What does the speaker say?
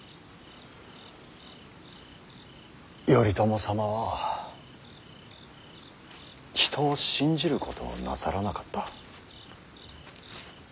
頼朝様は人を信じることをなさらなかった。